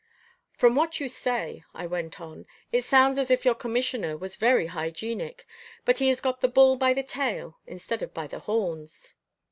"From what you say," I went on, "it sounds as if your commissioner was very hygienic, but he has got the bull by the tail instead of by the horns."